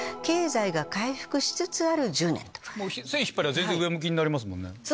線引っ張れば全然上向きになりますもんね。